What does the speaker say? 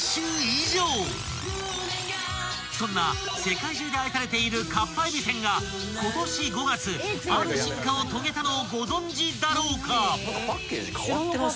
［そんな世界中で愛されているかっぱえびせんが今年５月ある進化を遂げたのをご存じだろうか］